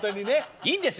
いいんですよ